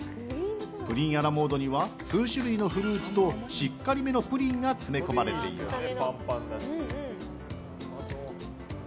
プリンアラモードには数種類のフルーツとしっかりめのプリンが詰め込まれています。